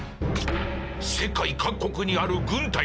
世界各国にある軍隊。